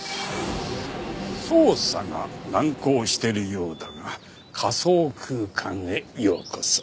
捜査が難航しているようだが仮想空間へようこそ。